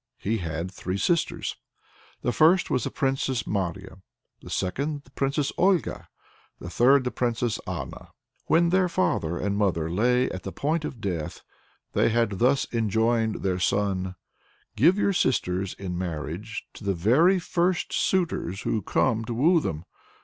He had three sisters. The first was the Princess Marya, the second the Princess Olga, the third the Princess Anna. When their father and mother lay at the point of death, they had thus enjoined their son: "Give your sisters in marriage to the very first suitors who come to woo them.